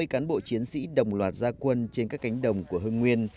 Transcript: một trăm năm mươi cán bộ chiến sĩ đồng loạt gia quân trên các cánh đồng của hưng nguyên